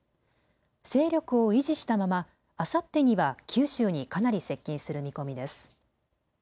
勢力を維持したままあさってには九州にかなり接近する見込みです。